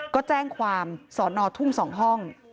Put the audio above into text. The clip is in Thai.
ก็แจ้งความสอนอทุ่ง๒ห้อง